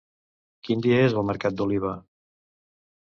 Quin dia és el mercat d'Oliva?